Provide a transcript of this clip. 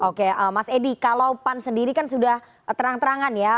oke mas edi kalau pan sendiri kan sudah terang terangan ya